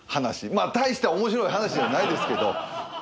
まあ大しておもしろい噺じゃないですけど。